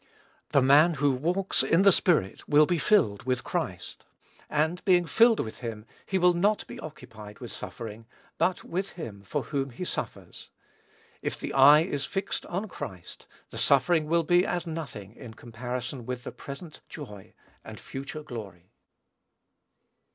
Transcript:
The man who walks in the Spirit will be filled with Christ; and, being filled with him, he will not be occupied with suffering, but with him for whom he suffers. If the eye is fixed on Christ, the suffering will be as nothing in comparison with the present joy and future glory.